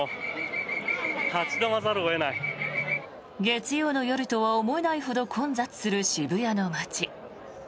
月曜の夜とは思えないほど混雑する渋谷の街。